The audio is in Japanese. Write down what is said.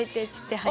はい。